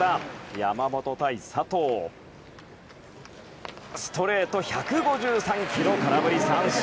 山本対佐藤はストレート、１５３キロ空振り三振！